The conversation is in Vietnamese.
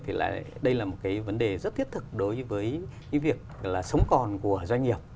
thì đây là một vấn đề rất thiết thực đối với việc sống còn của doanh nghiệp